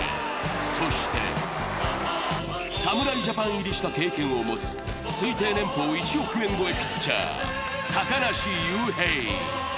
そして侍ジャパン入りした経験を持つ、推定年俸１億円超えピッチャー、高梨雄平。